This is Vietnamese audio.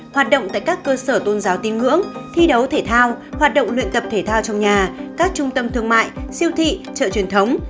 hoạt động tại các cơ sở tôn giáo tin ngưỡng thi đấu thể thao hoạt động luyện tập thể thao trong nhà các trung tâm thương mại siêu thị chợ truyền thống